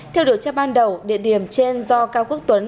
theo điều tra ban đầu địa điểm trên do cao quốc tuấn